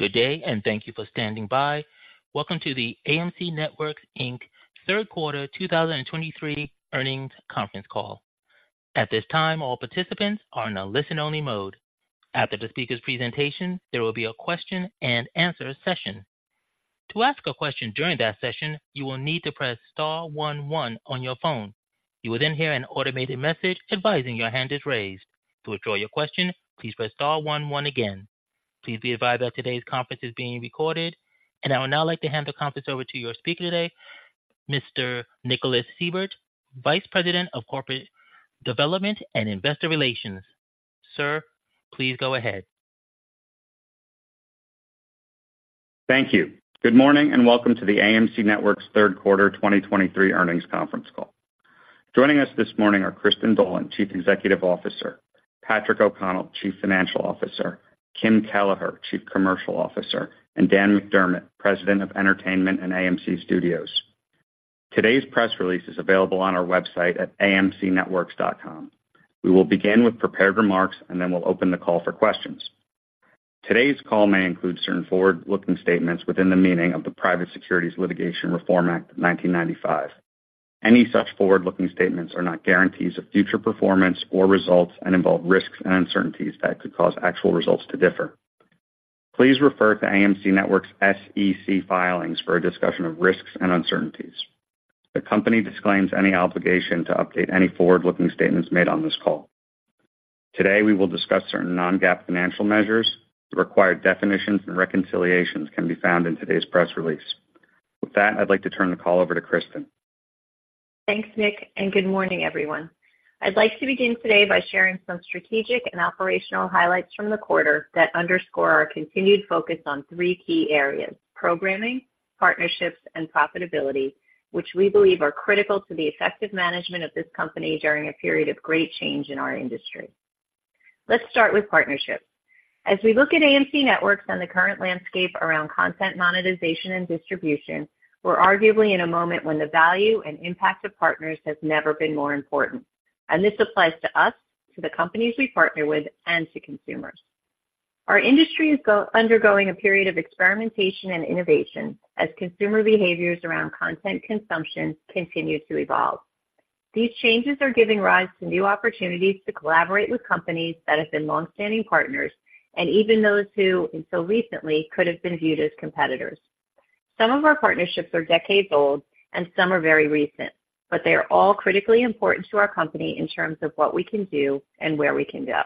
Good day, and thank you for standing by. Welcome to the AMC Networks Inc. third quarter 2023 earnings conference call. At this time, all participants are in a listen-only mode. After the speaker's presentation, there will be a question-and-answer session. To ask a question during that session, you will need to press star one one on your phone. You will then hear an automated message advising your hand is raised. To withdraw your question, please press star one one again. Please be advised that today's conference is being recorded. I would now like to hand the conference over to your speaker today, Mr. Nicholas Seibert, Vice President of Corporate Development and Investor Relations. Sir, please go ahead. Thank you. Good morning, and welcome to the AMC Networks third quarter 2023 earnings conference call. Joining us this morning are Kristin Dolan, Chief Executive Officer, Patrick O'Connell, Chief Financial Officer, Kim Kelleher, Chief Commercial Officer, and Dan McDermott, President of Entertainment and AMC Studios. Today's press release is available on our website at amcnetworks.com. We will begin with prepared remarks, and then we'll open the call for questions. Today's call may include certain forward-looking statements within the meaning of the Private Securities Litigation Reform Act of 1995. Any such forward-looking statements are not guarantees of future performance or results and involve risks and uncertainties that could cause actual results to differ. Please refer to AMC Networks' SEC filings for a discussion of risks and uncertainties. The company disclaims any obligation to update any forward-looking statements made on this call. Today, we will discuss certain non-GAAP financial measures. The required definitions and reconciliations can be found in today's press release. With that, I'd like to turn the call over to Kristin. Thanks, Nick, and good morning, everyone. I'd like to begin today by sharing some strategic and operational highlights from the quarter that underscore our continued focus on three key areas: programming, partnerships, and profitability, which we believe are critical to the effective management of this company during a period of great change in our industry. Let's start with partnerships. As we look at AMC Networks and the current landscape around content monetization and distribution, we're arguably in a moment when the value and impact of partners has never been more important, and this applies to us, to the companies we partner with, and to consumers. Our industry is undergoing a period of experimentation and innovation as consumer behaviors around content consumption continue to evolve. These changes are giving rise to new opportunities to collaborate with companies that have been long-standing partners and even those who, until recently, could have been viewed as competitors. Some of our partnerships are decades old and some are very recent, but they are all critically important to our company in terms of what we can do and where we can go.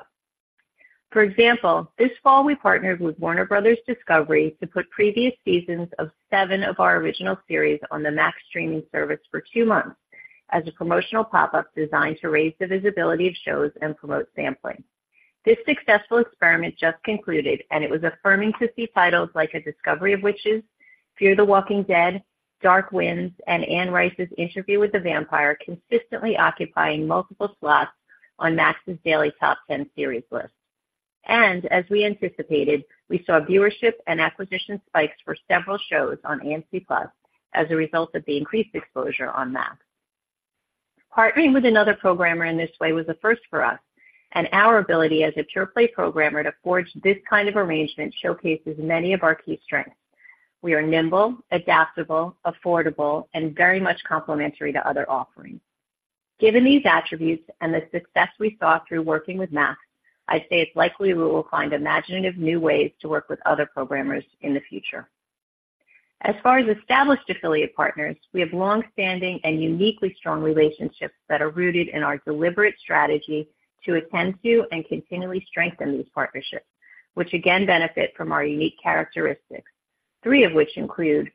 For example, this fall, we partnered with Warner Bros. Discovery to put previous seasons of seven of our original series on the Max streaming service for two months as a promotional pop-up designed to raise the visibility of shows and promote sampling. This successful experiment just concluded, and it was affirming to see titles like A Discovery of Witches, Fear the Walking Dead, Dark Winds, and Anne Rice's Interview with the Vampire, consistently occupying multiple slots on Max's daily top 10 series list. As we anticipated, we saw viewership and acquisition spikes for several shows on AMC+ as a result of the increased exposure on Max. Partnering with another programmer in this way was a first for us, and our ability as a pure play programmer to forge this kind of arrangement showcases many of our key strengths. We are nimble, adaptable, affordable, and very much complementary to other offerings. Given these attributes and the success we saw through working with Max, I'd say it's likely we will find imaginative new ways to work with other programmers in the future. As far as established affiliate partners, we have long-standing and uniquely strong relationships that are rooted in our deliberate strategy to attend to and continually strengthen these partnerships, which again benefit from our unique characteristics, three of which include: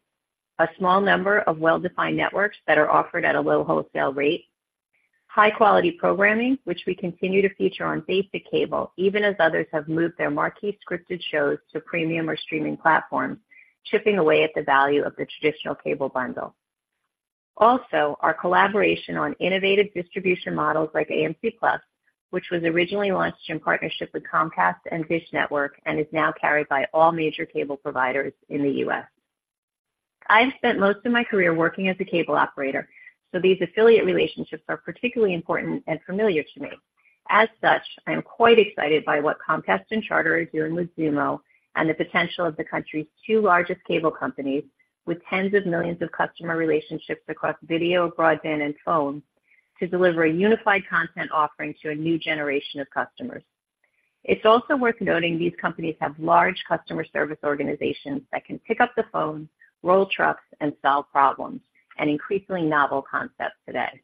a small number of well-defined networks that are offered at a low wholesale rate, high-quality programming, which we continue to feature on basic cable, even as others have moved their marquee scripted shows to premium or streaming platforms, chipping away at the value of the traditional cable bundle. Also, our collaboration on innovative distribution models like AMC+, which was originally launched in partnership with Comcast and Dish Network and is now carried by all major cable providers in the U.S. I have spent most of my career working as a cable operator, so these affiliate relationships are particularly important and familiar to me. As such, I am quite excited by what Comcast and Charter are doing with Xumo and the potential of the country's two largest cable companies with tens of millions of customer relationships across video, broadband, and phone, to deliver a unified content offering to a new generation of customers. It's also worth noting these companies have large customer service organizations that can pick up the phone, roll trucks, and solve problems, an increasingly novel concept today.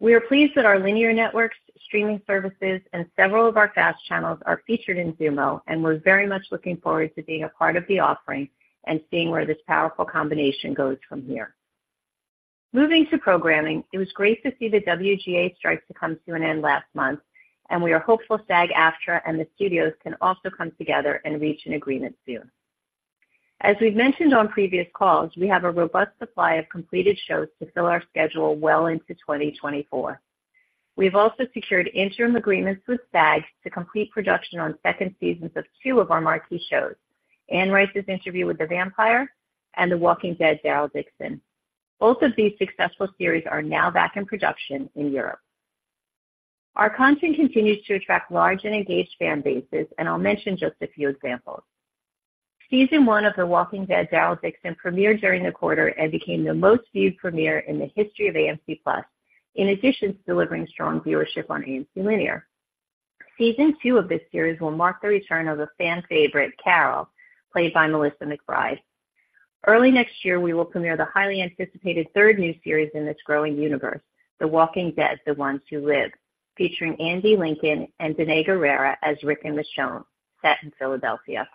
We are pleased that our linear networks, streaming services, and several of our FAST channels are featured in Xumo, and we're very much looking forward to being a part of the offering and seeing where this powerful combination goes from here. Moving to programming, it was great to see the WGA strike come to an end last month, and we are hopeful SAG-AFTRA and the studios can also come together and reach an agreement soon. As we've mentioned on previous calls, we have a robust supply of completed shows to fill our schedule well into 2024. We've also secured interim agreements with SAG to complete production on second seasons of two of our marquee shows, Anne Rice's Interview with the Vampire and The Walking Dead: Daryl Dixon. Both of these successful series are now back in production in Europe. Our content continues to track large and engaged fan bases, and I'll mention just a few examples. Season 1 of The Walking Dead: Daryl Dixon premiered during the quarter and became the most viewed premiere in the history of AMC+, in addition to delivering strong viewership on AMC linear. Season 2 of this series will mark the return of the fan favorite, Carol, played by Melissa McBride. Early next year, we will premiere the highly anticipated third new series in this growing universe, The Walking Dead: The Ones Who Live, featuring Andy Lincoln and Danai Gurira as Rick and Michonne, set in Philadelphia.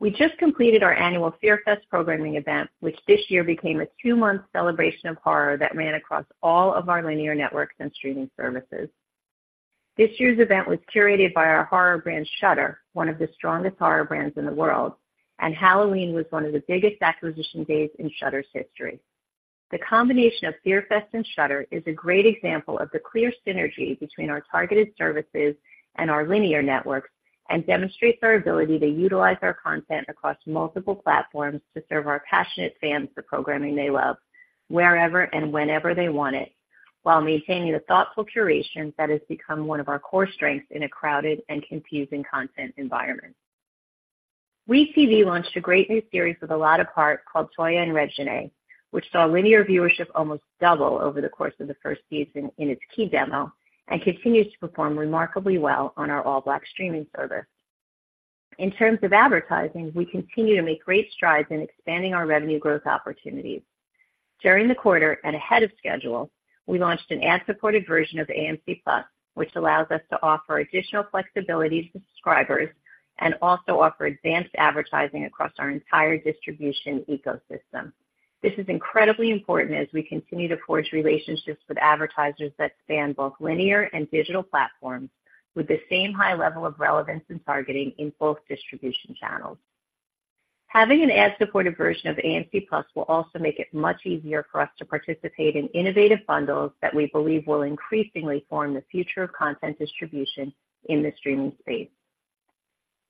We just completed our annual FearFest programming event, which this year became a two-month celebration of horror that ran across all of our linear networks and streaming services. This year's event was curated by our horror brand, Shudder, one of the strongest horror brands in the world, and Halloween was one of the biggest acquisition days in Shudder's history. The combination of FearFest and Shudder is a great example of the clear synergy between our targeted services and our linear networks, and demonstrates our ability to utilize our content across multiple platforms to serve our passionate fans the programming they love, wherever and whenever they want it, while maintaining the thoughtful curation that has become one of our core strengths in a crowded and confusing content environment. WE tv launched a great new series with a lot of heart called Toya & Reginae, which saw linear viewership almost double over the course of the first season in its key demo, and continues to perform remarkably well on our ALLBLK streaming service. In terms of advertising, we continue to make great strides in expanding our revenue growth opportunities. During the quarter, and ahead of schedule, we launched an ad-supported version of AMC+, which allows us to offer additional flexibility to subscribers and also offer advanced advertising across our entire distribution ecosystem. This is incredibly important as we continue to forge relationships with advertisers that span both linear and digital platforms, with the same high level of relevance and targeting in both distribution channels. Having an ad-supported version of AMC+ will also make it much easier for us to participate in innovative bundles that we believe will increasingly form the future of content distribution in the streaming space.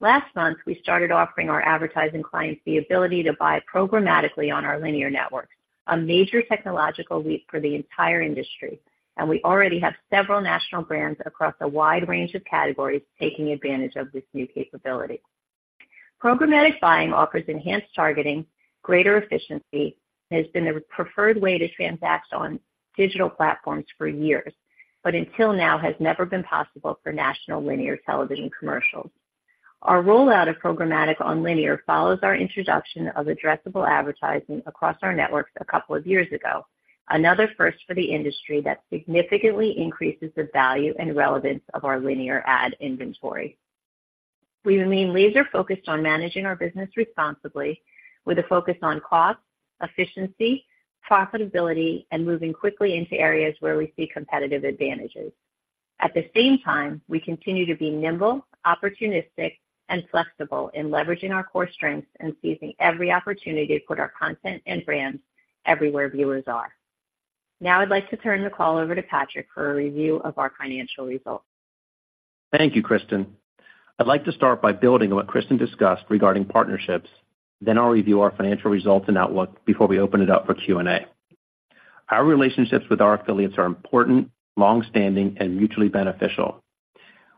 Last month, we started offering our advertising clients the ability to buy programmatically on our linear network, a major technological leap for the entire industry, and we already have several national brands across a wide range of categories taking advantage of this new capability. Programmatic buying offers enhanced targeting, greater efficiency, and has been the preferred way to transact on digital platforms for years, but until now, has never been possible for national linear television commercials. Our rollout of programmatic on linear follows our introduction of addressable advertising across our networks a couple of years ago, another first for the industry that significantly increases the value and relevance of our linear ad inventory. We remain laser-focused on managing our business responsibly, with a focus on cost, efficiency, profitability, and moving quickly into areas where we see competitive advantages. At the same time, we continue to be nimble, opportunistic, and flexible in leveraging our core strengths and seizing every opportunity to put our content and brands everywhere viewers are. Now I'd like to turn the call over to Patrick for a review of our financial results. Thank you, Kristin. I'd like to start by building on what Kristin discussed regarding partnerships, then I'll review our financial results and outlook before we open it up for Q&A. Our relationships with our affiliates are important, long-standing, and mutually beneficial.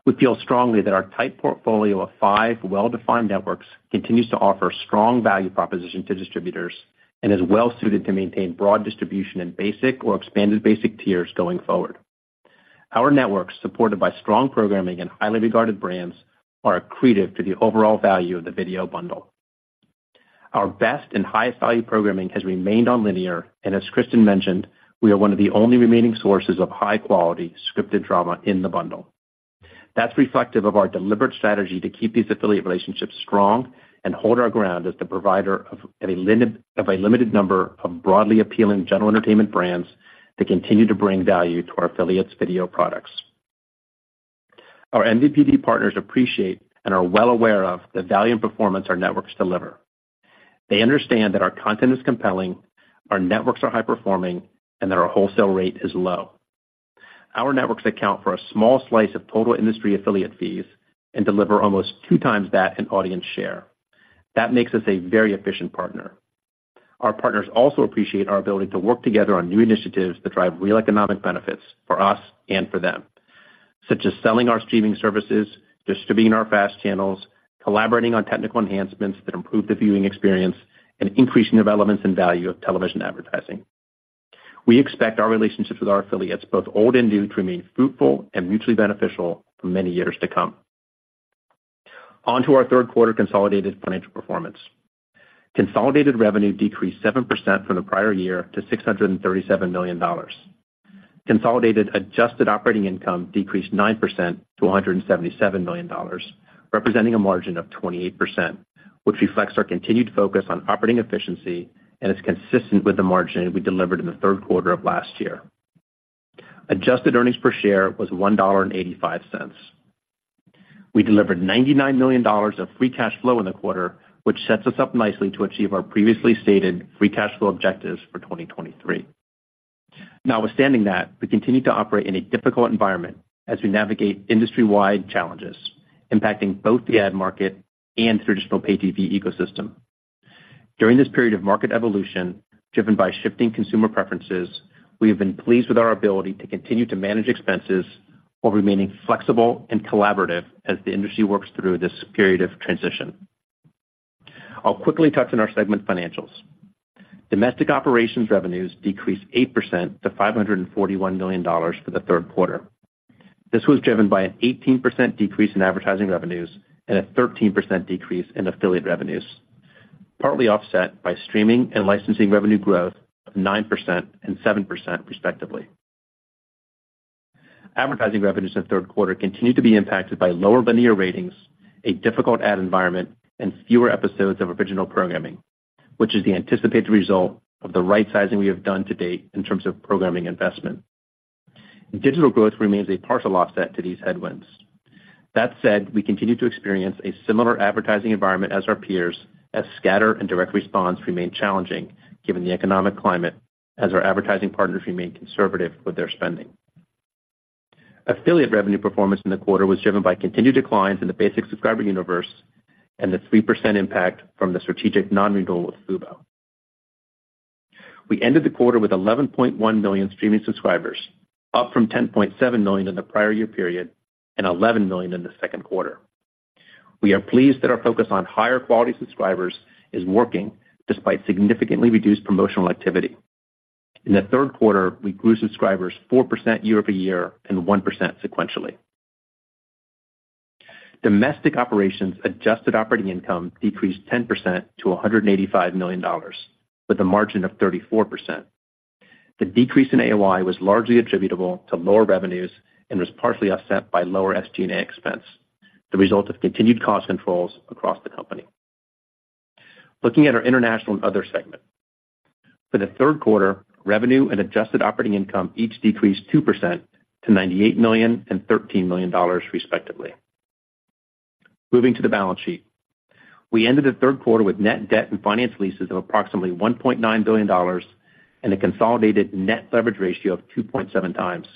We feel strongly that our tight portfolio of five well-defined networks continues to offer strong value proposition to distributors and is well suited to maintain broad distribution in basic or expanded basic tiers going forward. Our networks, supported by strong programming and highly regarded brands, are accretive to the overall value of the video bundle. Our best and highest value programming has remained on linear, and as Kristin mentioned, we are one of the only remaining sources of high-quality scripted drama in the bundle. That's reflective of our deliberate strategy to keep these affiliate relationships strong and hold our ground as the provider of a limited number of broadly appealing general entertainment brands that continue to bring value to our affiliates' video products. Our MVPD partners appreciate and are well aware of the value and performance our networks deliver. They understand that our content is compelling, our networks are high-performing, and that our wholesale rate is low. Our networks account for a small slice of total industry affiliate fees and deliver almost two times that in audience share. That makes us a very efficient partner. Our partners also appreciate our ability to work together on new initiatives that drive real economic benefits for us and for them, such as selling our streaming services, distributing our FAST channels, collaborating on technical enhancements that improve the viewing experience, and increasing the relevance and value of television advertising. We expect our relationships with our affiliates, both old and new, to remain fruitful and mutually beneficial for many years to come. On to our third quarter consolidated financial performance. Consolidated revenue decreased 7% from the prior year to $637 million. Consolidated adjusted operating income decreased 9% to $177 million, representing a margin of 28%, which reflects our continued focus on operating efficiency and is consistent with the margin we delivered in the third quarter of last year. Adjusted earnings per share was $1.85. We delivered $99 million of free cash flow in the quarter, which sets us up nicely to achieve our previously stated free cash flow objectives for 2023. Notwithstanding that, we continue to operate in a difficult environment as we navigate industry-wide challenges impacting both the ad market and traditional pay TV ecosystem. During this period of market evolution, driven by shifting consumer preferences, we have been pleased with our ability to continue to manage expenses while remaining flexible and collaborative as the industry works through this period of transition. I'll quickly touch on our segment financials. Domestic operations revenues decreased 8% to $541 million for the third quarter. This was driven by an 18% decrease in advertising revenues and a 13% decrease in affiliate revenues, partly offset by streaming and licensing revenue growth of 9% and 7% respectively. Advertising revenues in the third quarter continued to be impacted by lower linear ratings, a difficult ad environment, and fewer episodes of original programming, which is the anticipated result of the right sizing we have done to date in terms of programming investment. Digital growth remains a partial offset to these headwinds. That said, we continue to experience a similar advertising environment as our peers, as scatter and direct response remain challenging given the economic climate, as our advertising partners remain conservative with their spending. Affiliate revenue performance in the quarter was driven by continued declines in the basic subscriber universe and the 3% impact from the strategic non-renewal with Fubo. We ended the quarter with 11.1 million streaming subscribers, up from 10.7 million in the prior year period and 11 million in the second quarter. We are pleased that our focus on higher quality subscribers is working despite significantly reduced promotional activity. In the third quarter, we grew subscribers 4% year-over-year and 1% sequentially. Domestic operations adjusted operating income decreased 10% to $185 million, with a margin of 34%. The decrease in AOI was largely attributable to lower revenues and was partially offset by lower SG&A expense, the result of continued cost controls across the company. Looking at our international and other segment. For the third quarter, revenue and adjusted operating income each decreased 2% to $98 million and $13 million, respectively. Moving to the balance sheet. We ended the third quarter with net debt and finance leases of approximately $1.9 billion and a consolidated net leverage ratio of 2.7 times.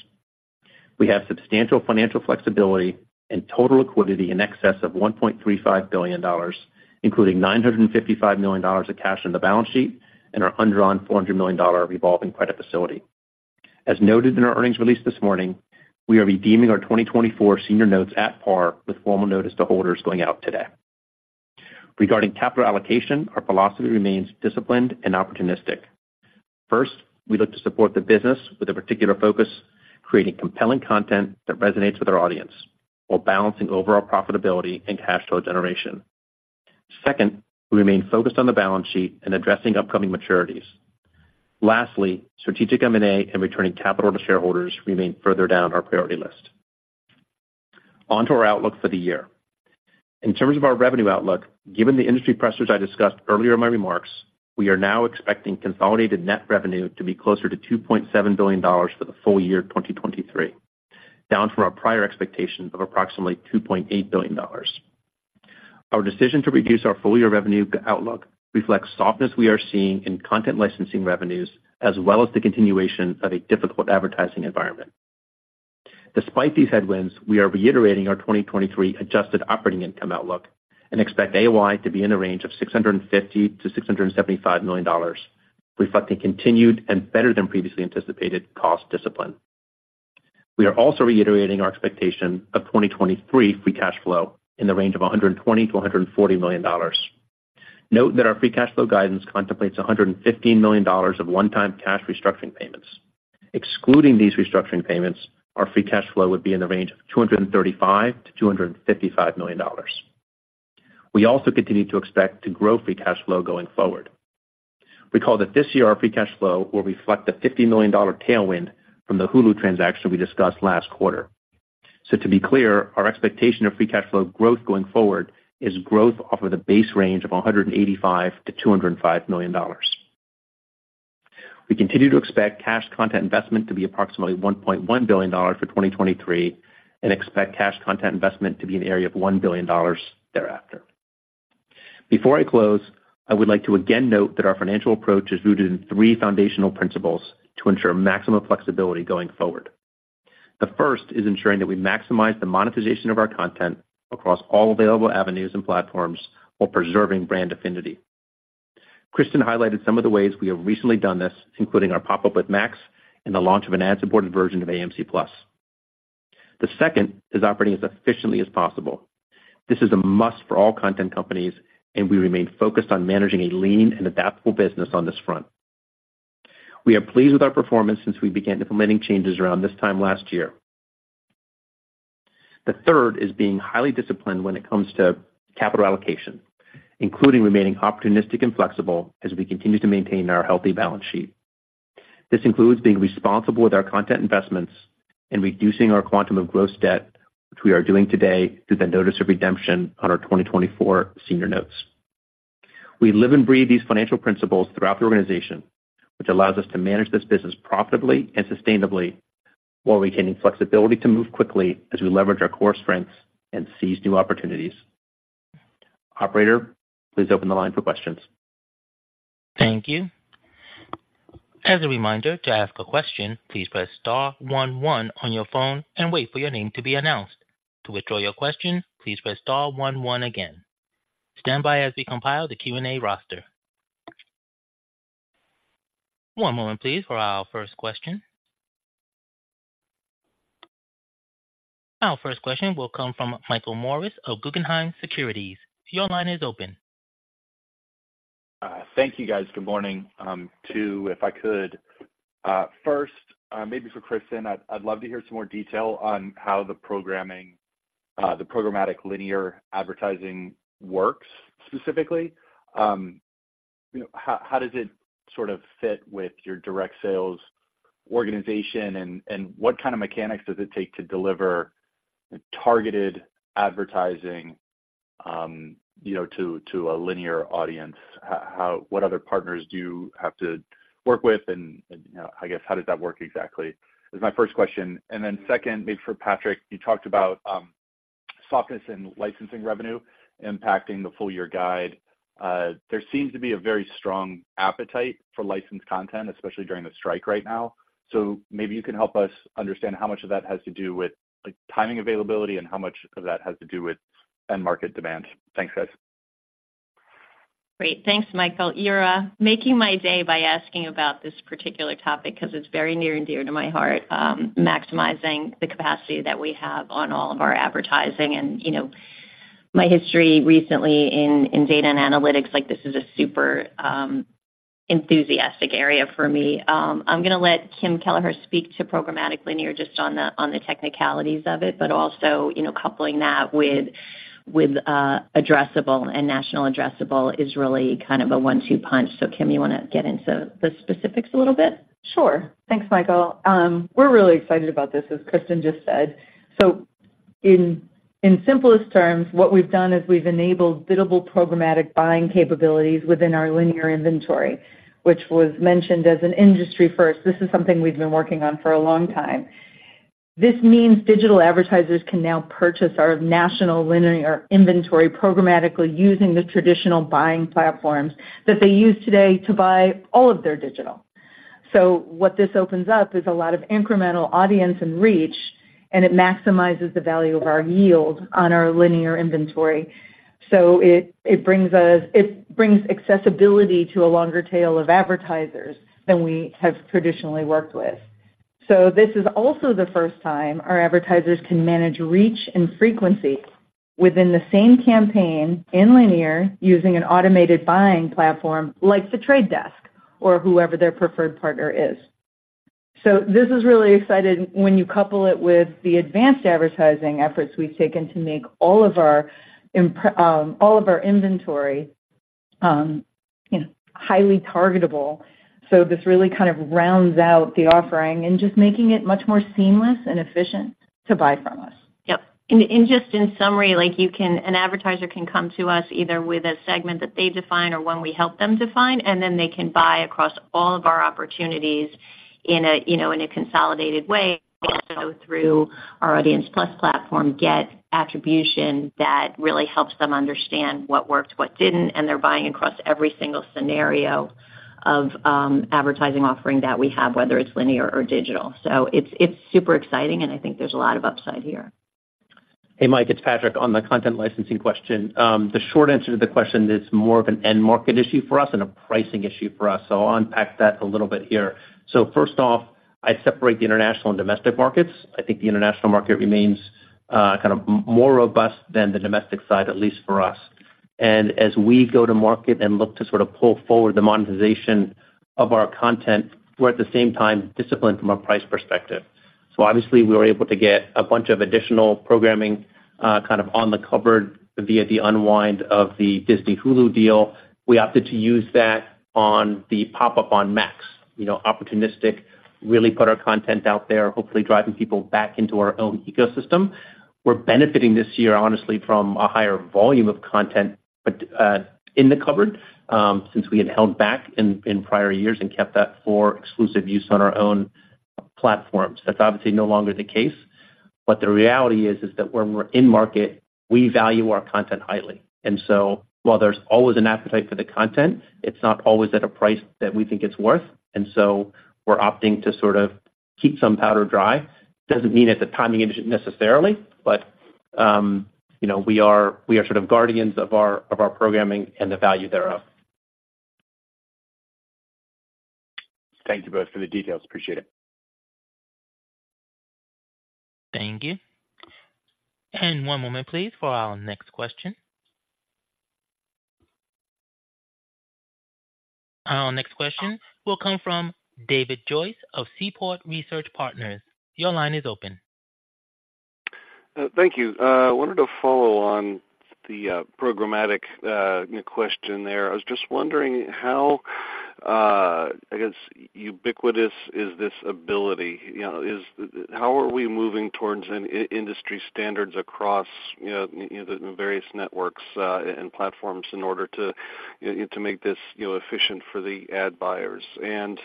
We have substantial financial flexibility and total liquidity in excess of $1.35 billion, including $955 million of cash on the balance sheet and our undrawn $400 million revolving credit facility. As noted in our earnings release this morning, we are redeeming our 2024 senior notes at par, with formal notice to holders going out today. Regarding capital allocation, our philosophy remains disciplined and opportunistic. First, we look to support the business with a particular focus, creating compelling content that resonates with our audience, while balancing overall profitability and cash flow generation. Second, we remain focused on the balance sheet and addressing upcoming maturities. Lastly, strategic M&A and returning capital to shareholders remain further down our priority list. On to our outlook for the year. In terms of our revenue outlook, given the industry pressures I discussed earlier in my remarks, we are now expecting consolidated net revenue to be closer to $2.7 billion for the full year 2023, down from our prior expectation of approximately $2.8 billion. Our decision to reduce our full-year revenue outlook reflects softness we are seeing in content licensing revenues, as well as the continuation of a difficult advertising environment. Despite these headwinds, we are reiterating our 2023 adjusted operating income outlook and expect AOI to be in the range of $650 million-$675 million, reflecting continued and better than previously anticipated cost discipline. We are also reiterating our expectation of 2023 free cash flow in the range of $120 million-$140 million. Note that our free cash flow guidance contemplates $115 million of one-time cash restructuring payments. Excluding these restructuring payments, our free cash flow would be in the range of $235 million-$255 million. We also continue to expect to grow free cash flow going forward. Recall that this year, our free cash flow will reflect the $50 million tailwind from the Hulu transaction we discussed last quarter. So to be clear, our expectation of free cash flow growth going forward is growth off of the base range of $185 million-$205 million. We continue to expect cash content investment to be approximately $1.1 billion for 2023 and expect cash content investment to be in the area of $1 billion thereafter. Before I close, I would like to again note that our financial approach is rooted in three foundational principles to ensure maximum flexibility going forward. The first is ensuring that we maximize the monetization of our content across all available avenues and platforms while preserving brand affinity. Kristin highlighted some of the ways we have recently done this, including our pop-up with Max and the launch of an ad-supported version of AMC+. The second is operating as efficiently as possible. This is a must for all content companies, and we remain focused on managing a lean and adaptable business on this front. We are pleased with our performance since we began implementing changes around this time last year. The third is being highly disciplined when it comes to capital allocation, including remaining opportunistic and flexible as we continue to maintain our healthy balance sheet. This includes being responsible with our content investments and reducing our quantum of gross debt, which we are doing today through the notice of redemption on our 2024 senior notes. We live and breathe these financial principles throughout the organization, which allows us to manage this business profitably and sustainably while retaining flexibility to move quickly as we leverage our core strengths and seize new opportunities. Operator, please open the line for questions. Thank you. As a reminder, to ask a question, please press star one one on your phone and wait for your name to be announced. To withdraw your question, please press star one one again. Stand by as we compile the Q&A roster. One moment, please, for our first question. Our first question will come from Michael Morris of Guggenheim Securities. Your line is open. Thank you, guys. Good morning. Two, if I could, first, maybe for Kristin, I'd love to hear some more detail on how the programming, the programmatic linear advertising works specifically. You know, how does it sort of fit with your direct sales organization, and what kind of mechanics does it take to deliver targeted advertising, you know, to a linear audience? What other partners do you have to work with, and, you know, I guess, how does that work exactly? That's my first question. And then second, maybe for Patrick, you talked about softness in licensing revenue impacting the full-year guide. There seems to be a very strong appetite for licensed content, especially during the strike right now. So maybe you can help us understand how much of that has to do with, like, timing availability, and how much of that has to do with end-market demand. Thanks, guys. Great. Thanks, Michael. You're making my day by asking about this particular topic because it's very near and dear to my heart, maximizing the capacity that we have on all of our advertising. And, you know, my history recently in, in data and analytics, like, this is a super enthusiastic area for me. I'm gonna let Kim Kelleher speak to programmatic linear just on the, on the technicalities of it, but also, you know, coupling that with, with addressable and national addressable is really kind of a one-two punch. So, Kim, you wanna get into the specifics a little bit? Sure. Thanks, Michael. We're really excited about this, as Kristin just said. So in simplest terms, what we've done is we've enabled biddable programmatic buying capabilities within our linear inventory, which was mentioned as an industry first. This is something we've been working on for a long time. This means digital advertisers can now purchase our national linear inventory programmatically using the traditional buying platforms that they use today to buy all of their digital. So what this opens up is a lot of incremental audience and reach, and it maximizes the value of our yield on our linear inventory. So it brings us- it brings accessibility to a longer tail of advertisers than we have traditionally worked with. So this is also the first time our advertisers can manage reach and frequency within the same campaign in linear, using an automated buying platform like The Trade Desk or whoever their preferred partner is. So this is really exciting when you couple it with the advanced advertising efforts we've taken to make all of our inventory, you know, highly targetable. So this really kind of rounds out the offering and just making it much more seamless and efficient to buy from us. Yep. And just in summary, like, you can—an advertiser can come to us either with a segment that they define or one we help them define, and then they can buy across all of our opportunities in a, you know, in a consolidated way, and also through our Audience+ platform, get attribution that really helps them understand what worked, what didn't, and they're buying across every single scenario of advertising offering that we have, whether it's linear or digital. So it's super exciting, and I think there's a lot of upside here. Hey, Mike, it's Patrick. On the content licensing question, the short answer to the question is more of an end-market issue for us and a pricing issue for us, so I'll unpack that a little bit here. So first off, I separate the international and domestic markets. I think the international market remains, kind of more robust than the domestic side, at least for us. And as we go to market and look to sort of pull forward the monetization of our content, we're at the same time disciplined from a price perspective. So obviously, we were able to get a bunch of additional programming, kind of on the cupboard via the unwind of the Disney Hulu deal. We opted to use that on the pop-up on Max, you know, opportunistic, really put our content out there, hopefully driving people back into our own ecosystem. We're benefiting this year, honestly, from a higher volume of content, but in the cupboard, since we had held back in prior years and kept that for exclusive use on our own platforms. That's obviously no longer the case, but the reality is that when we're in market, we value our content highly. And so while there's always an appetite for the content, it's not always at a price that we think it's worth, and so we're opting to sort of keep some powder dry. Doesn't mean it's a timing issue necessarily, but you know, we are sort of guardians of our programming and the value thereof. Thank you both for the details. Appreciate it. Thank you. One moment, please, for our next question. Our next question will come from David Joyce of Seaport Research Partners. Your line is open. Thank you. I wanted to follow on the programmatic question there. I was just wondering how, I guess, ubiquitous is this ability? You know, how are we moving towards an industry standards across, you know, the various networks and platforms in order to make this, you know, efficient for the ad buyers? And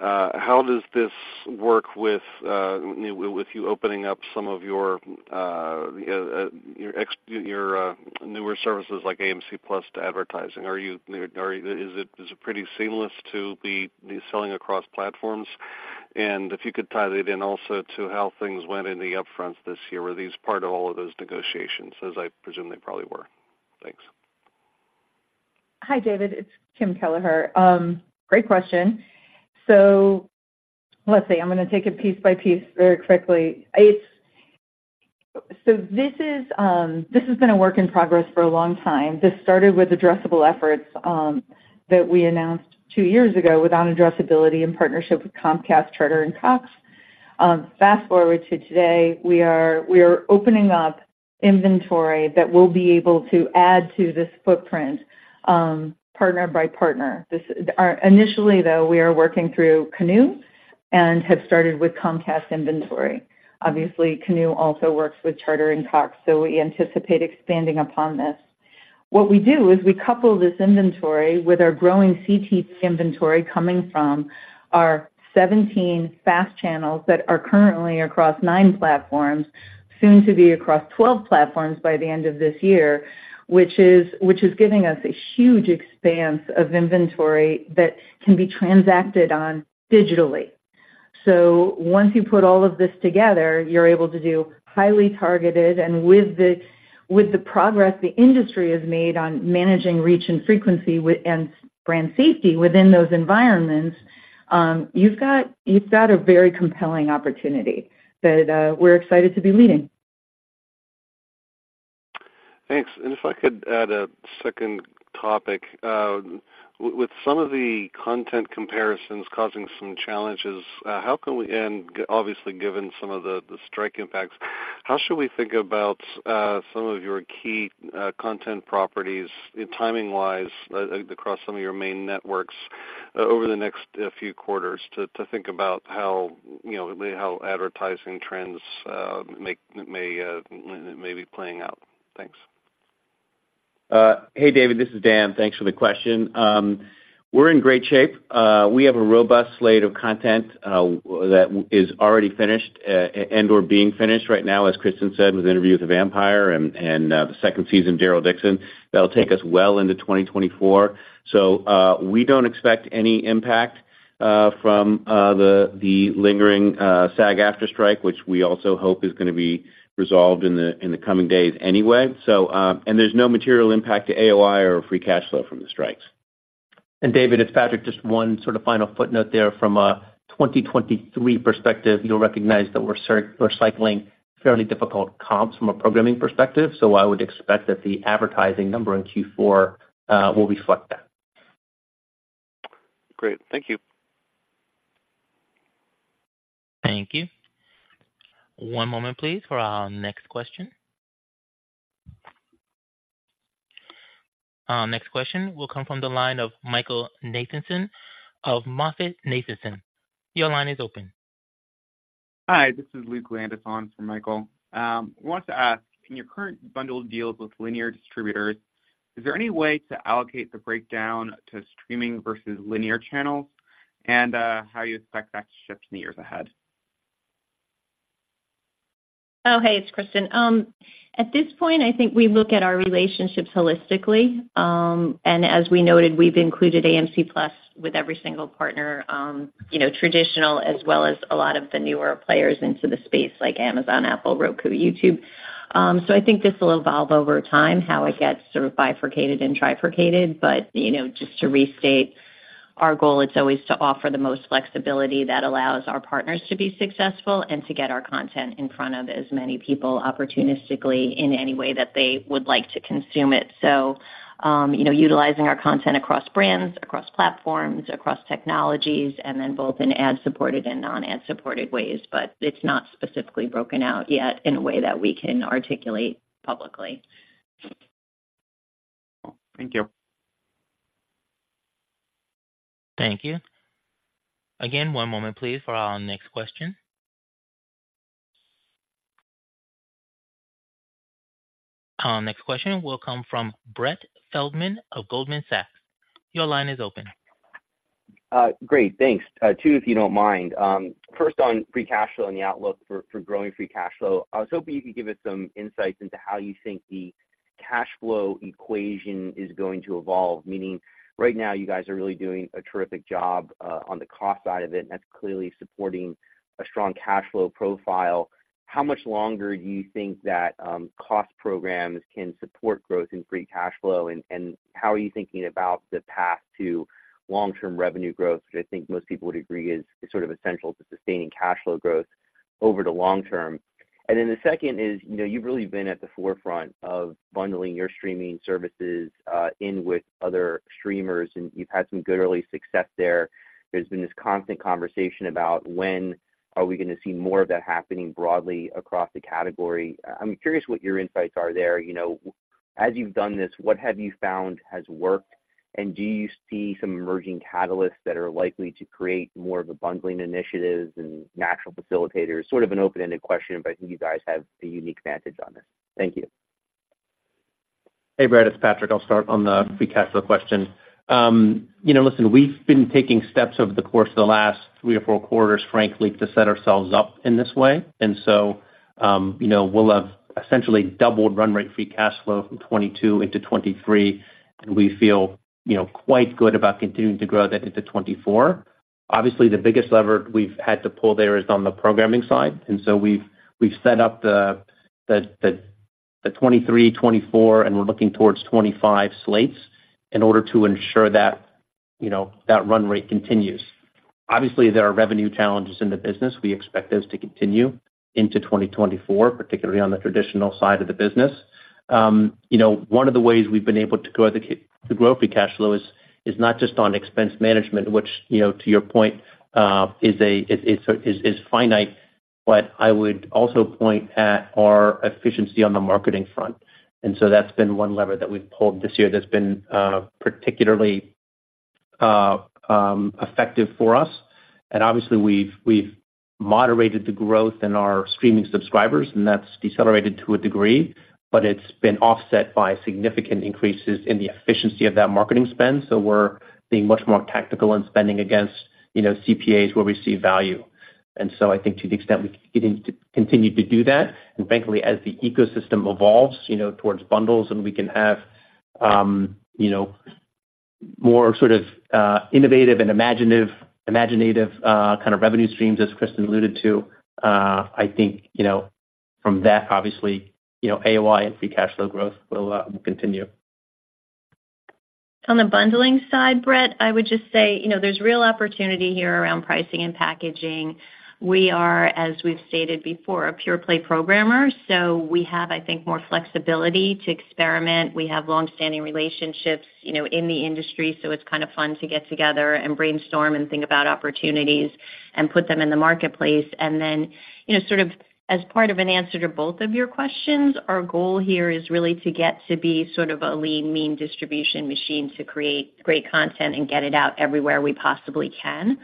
how does this work with you opening up some of your newer services like AMC+ to advertising? Is it pretty seamless to be selling across platforms? And if you could tie that in also to how things went in the upfronts this year. Were these part of all of those negotiations, as I presume they probably were? Thanks. Hi, David, it's Kim Kelleher. Great question. So let's see. I'm going to take it piece by piece very quickly. It's so this is, this has been a work in progress for a long time. This started with addressable efforts that we announced two years ago with our addressability in partnership with Comcast, Charter, and Cox. Fast forward to today, we are opening up inventory that we'll be able to add to this footprint, partner by partner. This initially, though, we are working through Canoe and have started with Comcast inventory. Obviously, Canoe also works with Charter and Cox, so we anticipate expanding upon this. What we do is we couple this inventory with our growing CTV inventory coming from our 17 FAST channels that are currently across nine platforms, soon to be across 12 platforms by the end of this year, which is giving us a huge expanse of inventory that can be transacted on digitally. So once you put all of this together, you're able to do highly targeted and with the progress the industry has made on managing reach and frequency and brand safety within those environments, you've got a very compelling opportunity that we're excited to be leading. Thanks. If I could add a second topic. With some of the content comparisons causing some challenges, how can we. And obviously, given some of the strike impacts, how should we think about some of your key content properties timing-wise, across some of your main networks, over the next few quarters, to think about how, you know, how advertising trends may be playing out? Thanks. Hey, David, this is Dan. Thanks for the question. We're in great shape. We have a robust slate of content that is already finished and/or being finished right now, as Kristin said, with Interview with the Vampire and the second season, Daryl Dixon. That'll take us well into 2024. So, we don't expect any impact from the lingering SAG-AFTRA strike, which we also hope is going to be resolved in the coming days anyway. So, and there's no material impact to AOI or free cash flow from the strikes. David, it's Patrick. Just one sort of final footnote there. From a 2023 perspective, you'll recognize that we're cycling fairly difficult comps from a programming perspective, so I would expect that the advertising number in Q4 will reflect that. Great. Thank you. Thank you. One moment, please, for our next question. Our next question will come from the line of Michael Nathanson of MoffettNathanson. Your line is open. Hi, this is Luke Landis on for Michael. Wanted to ask, in your current bundle deals with linear distributors, is there any way to allocate the breakdown to streaming versus linear channels, and how you expect that to shift in the years ahead? Oh, hey, it's Kristin. At this point, I think we look at our relationships holistically. And as we noted, we've included AMC+ with every single partner, you know, traditional, as well as a lot of the newer players into the space, like Amazon, Apple, Roku, YouTube. So I think this will evolve over time, how it gets sort of bifurcated and trifurcated. But, you know, just to restate, our goal is always to offer the most flexibility that allows our partners to be successful and to get our content in front of as many people opportunistically in any way that they would like to consume it. So, you know, utilizing our content across brands, across platforms, across technologies, and then both in ad-supported and non-ad-supported ways, but it's not specifically broken out yet in a way that we can articulate publicly. Thank you. Thank you. Again, one moment, please, for our next question. Our next question will come from Brett Feldman of Goldman Sachs. Your line is open. Great, thanks. Two, if you don't mind. First on free cash flow and the outlook for growing free cash flow. I was hoping you could give us some insights into how you think the cash flow equation is going to evolve. Meaning, right now, you guys are really doing a terrific job on the cost side of it, and that's clearly supporting a strong cash flow profile. How much longer do you think that cost programs can support growth in free cash flow? And how are you thinking about the path to long-term revenue growth, which I think most people would agree is sort of essential to sustaining cash flow growth over the long term? And then the second is, you know, you've really been at the forefront of bundling your streaming services, in with other streamers, and you've had some good early success there. There's been this constant conversation about when are we going to see more of that happening broadly across the category. I'm curious what your insights are there. You know, as you've done this, what have you found has worked, and do you see some emerging catalysts that are likely to create more of the bundling initiatives and natural facilitators? Sort of an open-ended question, but I think you guys have a unique advantage on this. Thank you. Hey, Brett, it's Patrick. I'll start on the free cash flow question. You know, listen, we've been taking steps over the course of the last three or four quarters, frankly, to set ourselves up in this way. And so, you know, we'll have essentially doubled run rate free cash flow from 2022 into 2023. And we feel, you know, quite good about continuing to grow that into 2024. Obviously, the biggest lever we've had to pull there is on the programming side, and so we've set up the 2023, 2024, and we're looking towards 2025 slates in order to ensure that, you know, that run rate continues. Obviously, there are revenue challenges in the business. We expect those to continue into 2024, particularly on the traditional side of the business. You know, one of the ways we've been able to grow free cash flow is not just on expense management, which, you know, to your point, is finite. But I would also point at our efficiency on the marketing front. And so that's been one lever that we've pulled this year that's been particularly effective for us. And obviously, we've moderated the growth in our streaming subscribers, and that's decelerated to a degree, but it's been offset by significant increases in the efficiency of that marketing spend. So we're being much more tactical in spending against, you know, CPAs where we see value. And so I think to the extent we continue to do that, and frankly, as the ecosystem evolves, you know, towards bundles, and we can have, you know, more sort of, innovative and imaginative, kind of revenue streams, as Kristin alluded to, I think, you know, from that, obviously, you know, AOI and free cash flow growth will continue. On the bundling side, Brett, I would just say, you know, there's real opportunity here around pricing and packaging. We are, as we've stated before, a pure play programmer, so we have, I think, more flexibility to experiment. We have long-standing relationships, you know, in the industry, so it's kind of fun to get together and brainstorm and think about opportunities and put them in the marketplace. And then, you know, sort of as part of an answer to both of your questions, our goal here is really to get to be sort of a lean, mean distribution machine, to create great content and get it out everywhere we possibly can.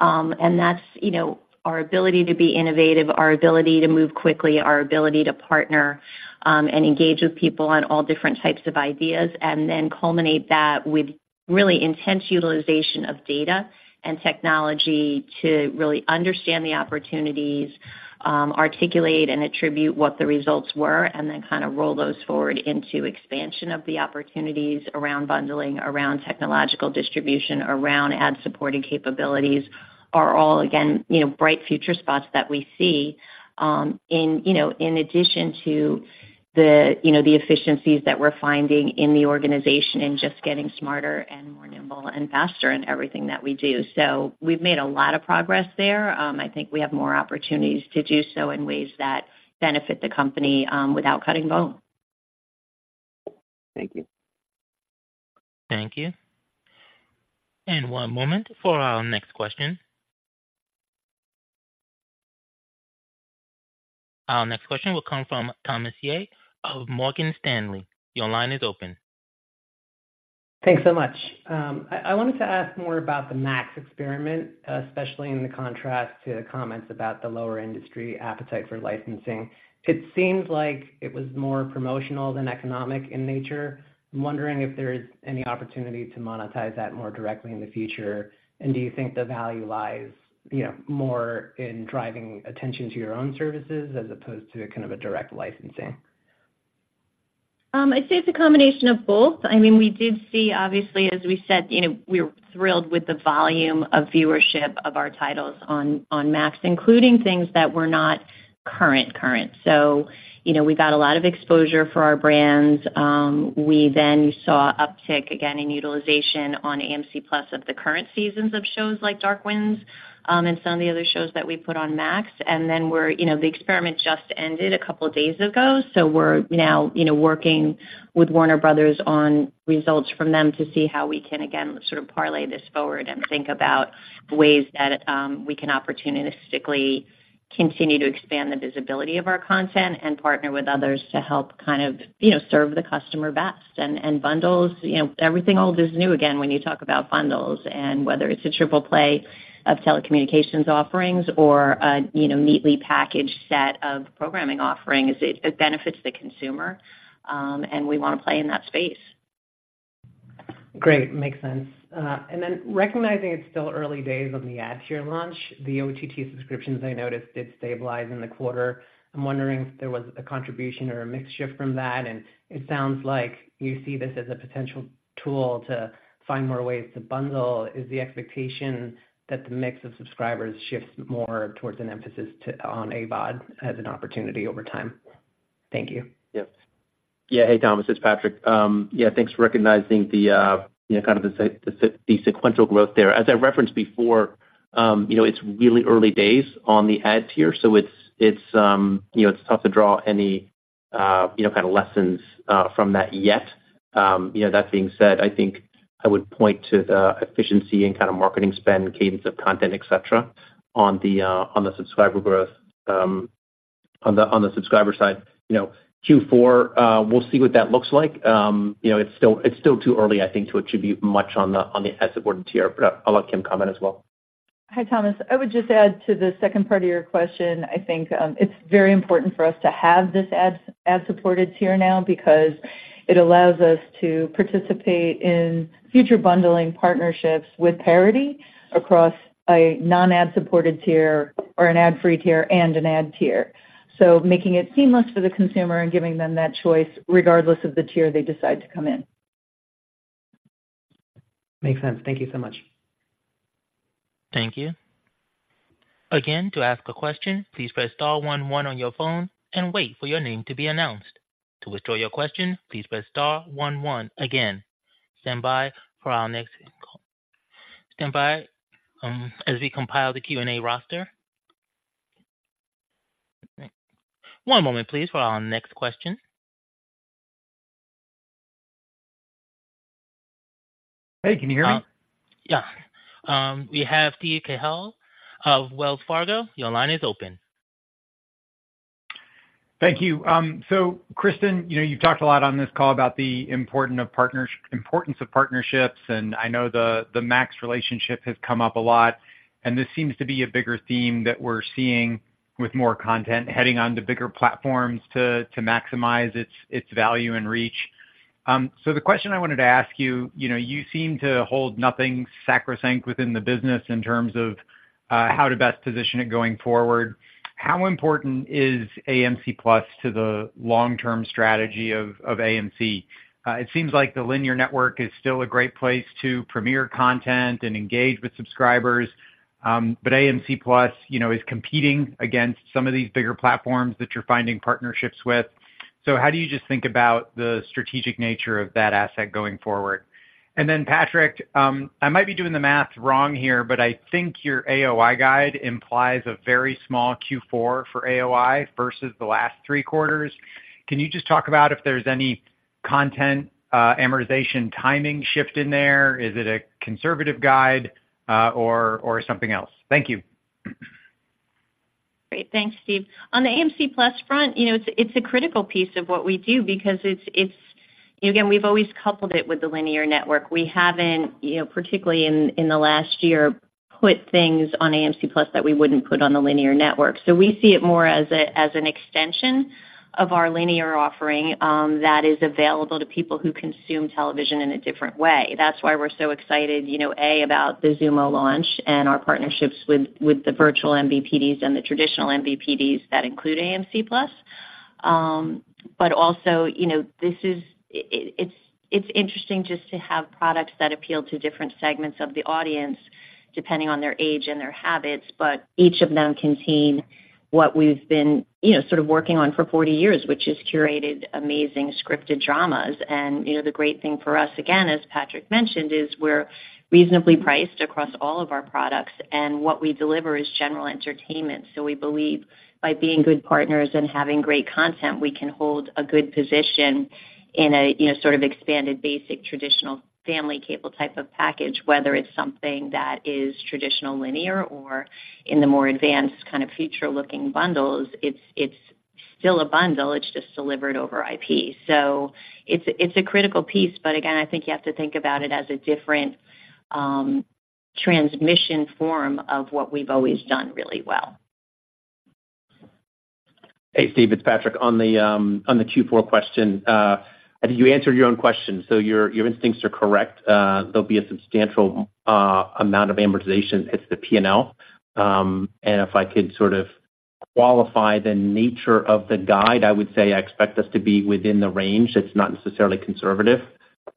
And that's, you know, our ability to be innovative, our ability to move quickly, our ability to partner, and engage with people on all different types of ideas, and then culminate that with really intense utilization of data and technology to really understand the opportunities, articulate and attribute what the results were, and then kind of roll those forward into expansion of the opportunities around bundling, around technological distribution, around ad-supported capabilities, are all, again, you know, bright future spots that we see. In, you know, in addition to the, you know, the efficiencies that we're finding in the organization and just getting smarter and more nimble and faster in everything that we do. So we've made a lot of progress there. I think we have more opportunities to do so in ways that benefit the company, without cutting bone. Thank you. Thank you. One moment for our next question. Our next question will come from Thomas Yeh of Morgan Stanley. Your line is open. Thanks so much. I wanted to ask more about the Max experiment, especially in the contrast to comments about the lower industry appetite for licensing. It seems like it was more promotional than economic in nature. I'm wondering if there is any opportunity to monetize that more directly in the future, and do you think the value lies, you know, more in driving attention to your own services as opposed to kind of a direct licensing? I'd say it's a combination of both. I mean, we did see obviously, as we said, you know, we're thrilled with the volume of viewership of our titles on Max, including things that were not current, current. So, you know, we got a lot of exposure for our brands. We then saw uptick again in utilization on AMC+ of the current seasons of shows like Dark Winds, and some of the other shows that we put on Max. And then we're. You know, the experiment just ended a couple of days ago, so we're now, you know, working with Warner Bros. on results from them to see how we can again, sort of parlay this forward and think about ways that we can opportunistically continue to expand the visibility of our content and partner with others to help kind of, you know, serve the customer best. And bundles, you know, everything old is new again, when you talk about bundles. And whether it's a triple play of telecommunications offerings or, you know, neatly packaged set of programming offerings, it benefits the consumer, and we want to play in that space. Great. Makes sense. And then recognizing it's still early days on the ad tier launch, the OTT subscriptions I noticed did stabilize in the quarter. I'm wondering if there was a contribution or a mix shift from that, and it sounds like you see this as a potential tool to find more ways to bundle. Is the expectation that the mix of subscribers shifts more towards an emphasis to, on AVOD as an opportunity over time? Thank you. Yes. Yeah. Hey, Thomas, it's Patrick. Yeah, thanks for recognizing the, you know, kind of the the sequential growth there. As I referenced before, you know, it's really early days on the ad tier, so it's, it's, you know, it's tough to draw any, you know, kind of lessons, from that yet. You know, that being said, I think I would point to the efficiency and kind of marketing spend, cadence of content, et cetera, on the, on the subscriber growth, on the, on the subscriber side. You know, Q4, we'll see what that looks like. You know, it's still, it's still too early, I think, to attribute much on the, on the ad-supported tier, but I'll let Kim comment as well. Hi, Thomas. I would just add to the second part of your question. I think, it's very important for us to have this ad-supported tier now, because it allows us to participate in future bundling partnerships with parity across a non-ad-supported tier or an ad-free tier and an ad tier. So making it seamless for the consumer and giving them that choice, regardless of the tier they decide to come in. Makes sense. Thank you so much. Thank you. Again, to ask a question, please press star one one on your phone and wait for your name to be announced. To withdraw your question, please press star one one again. Stand by for our next call. Stand by, as we compile the Q&A roster. One moment, please, for our next question. Hey, can you hear me? Yeah. We have Steve Cahall of Wells Fargo. Your line is open. Thank you. So, Kristin, you know, you've talked a lot on this call about the importance of partnerships, and I know the Max relationship has come up a lot, and this seems to be a bigger theme that we're seeing with more content heading on to bigger platforms to maximize its value and reach. So the question I wanted to ask you, you know, you seem to hold nothing sacrosanct within the business in terms of how to best position it going forward. How important is AMC+ to the long-term strategy of AMC? It seems like the linear network is still a great place to premiere content and engage with subscribers. But AMC+, you know, is competing against some of these bigger platforms that you're finding partnerships with. So how do you just think about the strategic nature of that asset going forward? And then, Patrick, I might be doing the math wrong here, but I think your AOI guide implies a very small Q4 for AOI versus the last three quarters. Can you just talk about if there's any content, amortization timing shift in there? Is it a conservative guide, or something else? Thank you. Great. Thanks, Steve. On the AMC+ front, you know, it's a critical piece of what we do because it's, again, we've always coupled it with the linear network. We haven't, you know, particularly in the last year, put things on AMC+ that we wouldn't put on the linear network. So we see it more as an extension of our linear offering that is available to people who consume television in a different way. That's why we're so excited, you know, about the Xumo launch and our partnerships with the virtual MVPDs and the traditional MVPDs that include AMC+. But also, you know, this is. It's interesting just to have products that appeal to different segments of the audience, depending on their age and their habits, but each of them contain what we've been, you know, sort of working on for 40 years, which is curated amazing scripted dramas. And, you know, the great thing for us, again, as Patrick mentioned, is we're reasonably priced across all of our products, and what we deliver is general entertainment. So we believe by being good partners and having great content, we can hold a good position in a, you know, sort of expanded, basic, traditional family cable type of package. Whether it's something that is traditional linear or in the more advanced kind of future-looking bundles, it's still a bundle, it's just delivered over IP. So it's a critical piece, but again, I think you have to think about it as a different transmission form of what we've always done really well. Hey, Steve, it's Patrick. On the Q4 question, I think you answered your own question, so your instincts are correct. There'll be a substantial amount of amortization hits the P&L. And if I could sort of qualify the nature of the guide, I would say I expect us to be within the range. It's not necessarily conservative.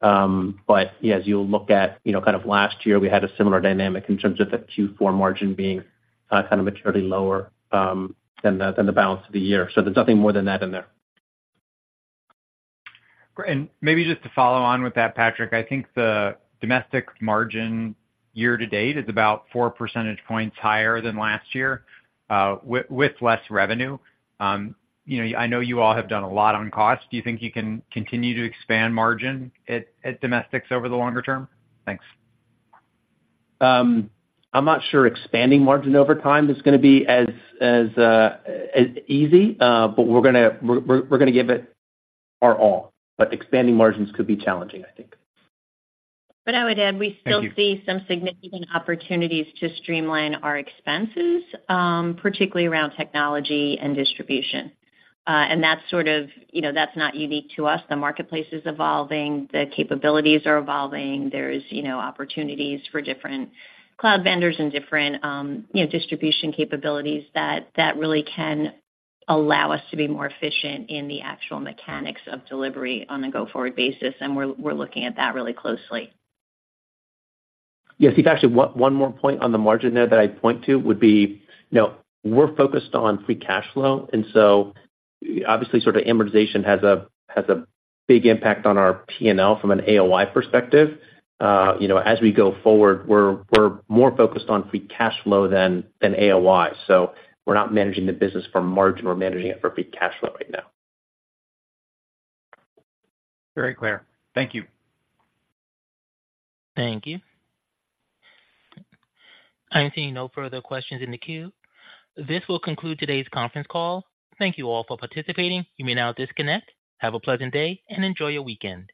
But yeah, as you look at, you know, kind of last year, we had a similar dynamic in terms of the Q4 margin being kind of materially lower than the balance of the year. So there's nothing more than that in there. Great. And maybe just to follow on with that, Patrick, I think the domestic margin year to date is about four percentage points higher than last year, with less revenue. You know, I know you all have done a lot on cost. Do you think you can continue to expand margin at domestics over the longer term? Thanks. I'm not sure expanding margin over time is gonna be as easy, but we're gonna give it our all. Expanding margins could be challenging, I think. But I would add. Thank you. We still see some significant opportunities to streamline our expenses, particularly around technology and distribution. That's sort of, you know, that's not unique to us. The marketplace is evolving, the capabilities are evolving. There's, you know, opportunities for different cloud vendors and different, you know, distribution capabilities that really can allow us to be more efficient in the actual mechanics of delivery on a go-forward basis, and we're looking at that really closely. Yes, Steve, actually, one more point on the margin there that I'd point to would be, you know, we're focused on free cash flow, and so obviously, sort of amortization has a big impact on our P&L from an AOI perspective. You know, as we go forward, we're more focused on free cash flow than AOI. So we're not managing the business for margin; we're managing it for free cash flow right now. Very clear. Thank you. Thank you. I'm seeing no further questions in the queue. This will conclude today's conference call. Thank you all for participating. You may now disconnect. Have a pleasant day and enjoy your weekend.